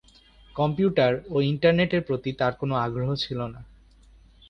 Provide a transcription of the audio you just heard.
Computer ও internet এর প্রতি তার কোন আগ্রহ ছিল না।